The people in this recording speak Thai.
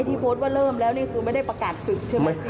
ที่โพสต์ว่าเริ่มแล้วนี่คือไม่ได้ประกาศศึกใช่ไหมคะ